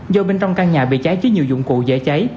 do bên trong căn nhà bị cháy chứa nhiều dụng cụ dễ cháy